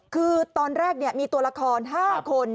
คือตอนแรกมีตัวละคร๕คน